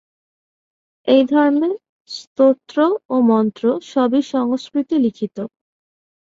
এই ধর্মে স্তোত্র ও মন্ত্র সবই সংস্কৃতে লিখিত।